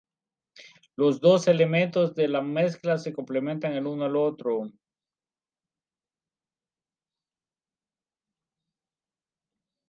Los dos elementos de la mezcla se complementan el uno al otro.